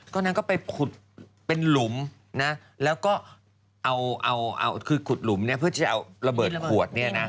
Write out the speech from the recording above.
ก็นั่นก็ไปขุดเป็นหลุมนะแล้วก็เอาคือขุดหลุมนี้เพื่อที่จะออกระเบิดขวด